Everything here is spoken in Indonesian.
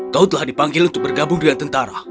kau telah dipanggil untuk bergabung dengan tentara